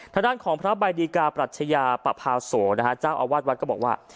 ทางด้านของพระใบดีกาปรัชญาปะพาโสนะฮะเจ้าอาวาสวัดก็บอกว่า